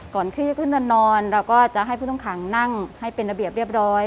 ก่อนที่จะขึ้นนอนเราก็จะให้ผู้ต้องขังนั่งให้เป็นระเบียบเรียบร้อย